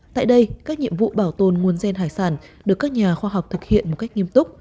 tại đây các nhiệm vụ bảo tồn nguồn gen hải sản được các nhà khoa học thực hiện một cách nghiêm túc